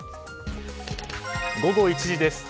午後１時です。